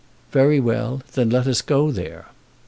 "Very well. Then let us go there."